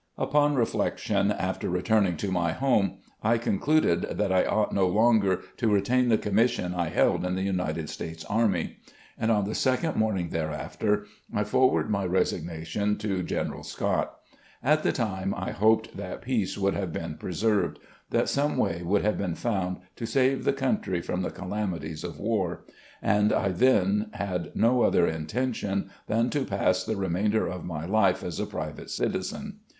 Upon reflection after returning to my home, I concluded that I ought no longer to retain the commission I held in the United 28 RECOLLECTIONS OP GENERAL LEE States Army, and on the second morning thereafter I forwarded my resignation to General Scott. At the time, I hoped that peace would have been preserved; that some way would have been found to save the cotmtry from the calamities of war; and I then had no other intention than to pass the remainder of my life as a private citizen.